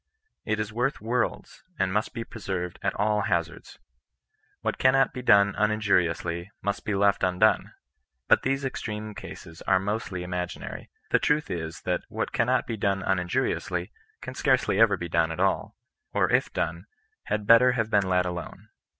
It is worth worlds, and must be preserved at all hazards. What cannot be done uninjuriously must be left un done. But these extreme cases are mostly imaginary. The truth is, that what cannot be done uninjuriously can scarcely ever be done at all. Or if done, had better have been let alone.